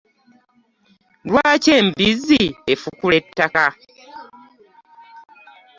Lwaki embizzi efukula ettaka?